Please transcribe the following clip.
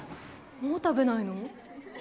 もう食べないの？